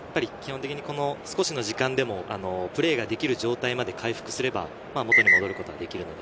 少しの時間でもプレーができる状態まで回復すれば元に戻ることはできるので。